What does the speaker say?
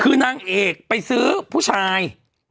คือนางเอกไปซื้อผู้ชาย